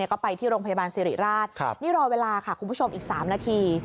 ก็ไปที่โรงพยาบาลสิริราชนี่รอเวลาค่ะคุณผู้ชมอีก๓นาที